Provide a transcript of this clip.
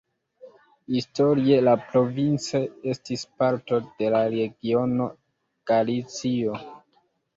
Historie la provinco estis parto de la regiono Galicio.